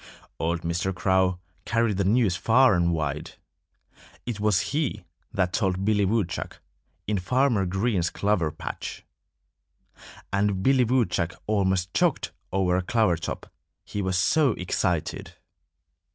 Old Mr. Crow carried the news far and wide. It was he that told Billy Woodchuck, in Farmer Green's clover patch. And Billy Woodchuck almost choked over a clover top, he was so excited.